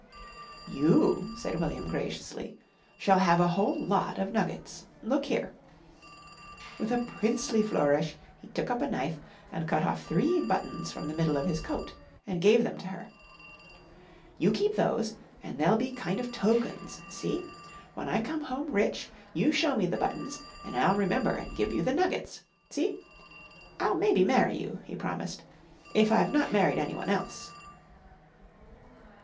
"You," said William graciously, "shall have a whole lot of nuggets. Look here." With a princely flourish he took up a knife and cut off three buttons from the middle of his coat and gave them to her. "You keep those and they'll be kind of tokens. See? When I come home rich you show me the buttons an' I'll remember and give you the nuggets. See? I'll maybe marry you," he promised, "if I've not married anyone else."